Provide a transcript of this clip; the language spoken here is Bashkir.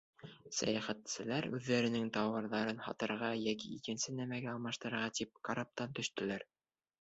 Сәйәхәтселәр, үҙҙәренең тауарҙарын һатырға йәки икенсе нәмәгә алмашырға тип, караптан төшәләр.